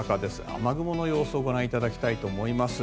雨雲の様子をご覧いただきたいと思います。